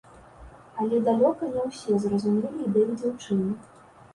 Але далёка на ўсе зразумелі ідэю дзяўчыны.